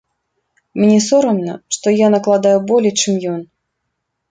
Мне сорамна, што я накладаю болей, чым ён.